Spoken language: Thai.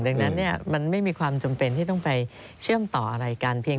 ดังนั้นมันไม่มีความจำเป็นที่ต้องไปเชื่อมต่ออะไรกันเพียง